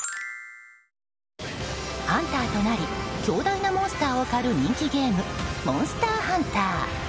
ハンターとなり強大なモンスターを狩る人気ゲーム「モンスターハンター」。